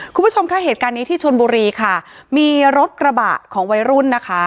คุณผู้ชมค่ะเหตุการณ์นี้ที่ชนบุรีค่ะมีรถกระบะของวัยรุ่นนะคะ